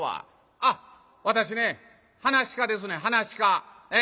「あっ私ね噺家ですねん噺家。